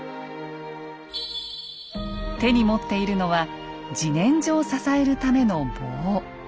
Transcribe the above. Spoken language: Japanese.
手に持っているのは自然薯を支えるための棒。